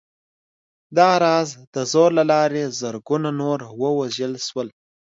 دغه راز د زور له لارې زرګونه نور ووژل شول